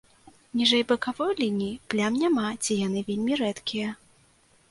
Ніжэй бакавой лініі плям няма ці яны вельмі рэдкія.